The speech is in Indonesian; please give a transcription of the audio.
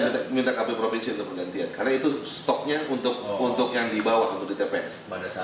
minta kpu provinsi untuk pergantian karena itu stoknya untuk untuk yang di bawah untuk di tps